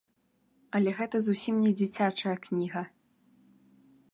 Але гэта зусім не дзіцячая кніга.